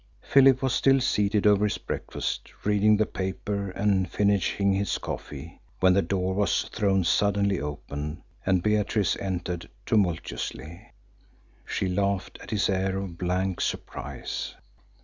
Philip was still seated over his breakfast, reading the paper and finishing his coffee, when the door was thrown suddenly open, and Beatrice entered tumultuously. She laughed at his air of blank surprise.